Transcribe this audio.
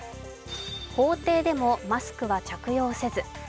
法廷でもマスクは着用せず。